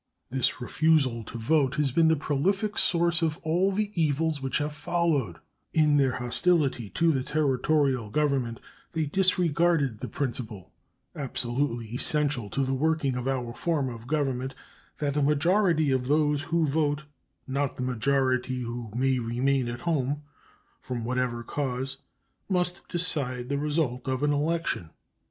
This refusal to vote has been the prolific source of all the evils which have followed, In their hostility to the Territorial government they disregarded the principle, absolutely essential to the working of our form of government, that a majority of those who vote, not the majority who may remain at home, from whatever cause, must decide the result of an election.